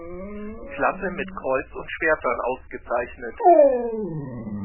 Klasse mit Kreuz und Schwertern ausgezeichnet.